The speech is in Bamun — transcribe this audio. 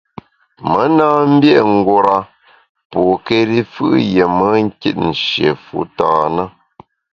Me na mbié’ ngura pôkéri fù’ yié me nkit nshié fu tâ na.